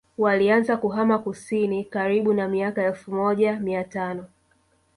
Walianza kuhamia kusini karibu na miaka ya elfu moja mia tano